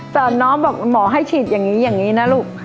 สอนน้องบอกหมอให้ฉีดอย่างนี้นะลูก